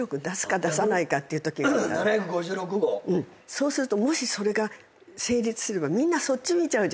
そうするともしそれが成立すればみんなそっち見ちゃうじゃないですか。